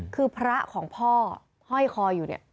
คือพระของพ่อห้อยคออยู่เนี่ย